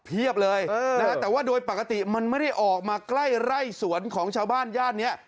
เลยนะฮะแต่ว่าโดยปกติมันไม่ได้ออกมาใกล้ไร่สวนของชาวบ้านย่านนี้